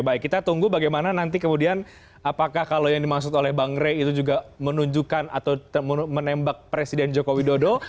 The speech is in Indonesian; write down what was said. baik kita tunggu bagaimana nanti kemudian apakah kalau yang dimaksud oleh bang rey itu juga menunjukkan atau menembak presiden joko widodo